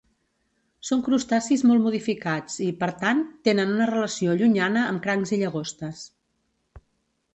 Són crustacis molt modificats i, per tant, tenen una relació llunyana amb crancs i llagostes.